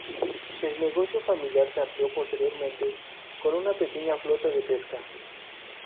El negocio familiar se amplió posteriormente con una pequeña flota de pesca.